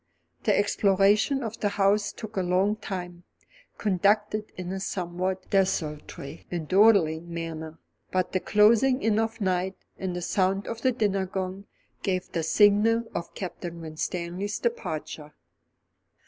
The exploration of the house took a long time, conducted in this somewhat desultory and dawdling manner; but the closing in of night and the sound of the dinner gong gave the signal for Captain Winstanley's departure.